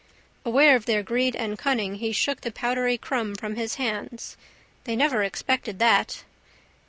Aware of their greed and cunning he shook the powdery crumb from his hands. They never expected that.